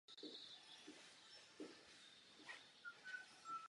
Uprostřed mostu se nachází socha svatého Jana Nepomuckého a Ukřižování.